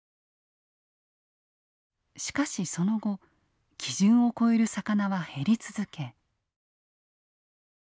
しかしその後基準を超える魚は減り続け。